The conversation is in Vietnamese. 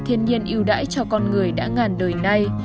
thiên nhiên yêu đãi cho con người đã ngàn đời nay